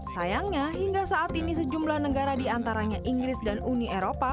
sayangnya hingga saat ini sejumlah negara diantaranya inggris dan uni eropa